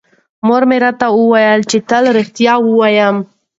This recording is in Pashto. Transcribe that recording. مور مې راته وویل چې تل رښتیا ووایم.